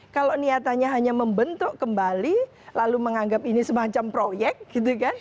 kalau niatannya hanya membentuk kembali lalu menganggap ini semacam proyek gitu kan